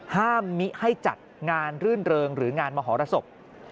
มิให้จัดงานรื่นเริงหรืองานมหรสบ